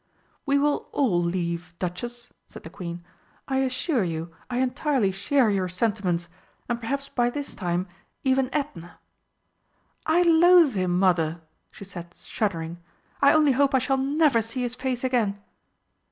"We will all leave, Duchess," said the Queen. "I assure you I entirely share your sentiments, and perhaps by this time even Edna " "I loathe him, Mother!" she said, shuddering; "I only hope I shall never see his face again!"